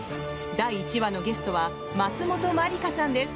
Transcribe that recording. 第１話のゲストは松本まりかさんです。